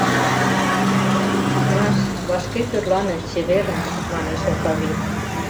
— Акнаш, вашке тӧрлане, чеверын, — манеш Окавий.